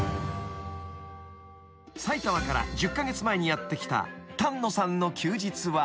［埼玉から１０カ月前にやって来た丹野さんの休日は］